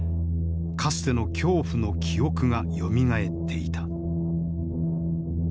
かつての恐怖の記憶がよみがえっていた。